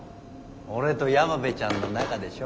俺と山辺ちゃんの仲でしょ。